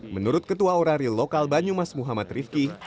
menurut ketua orari lokal banyumas muhammad rifki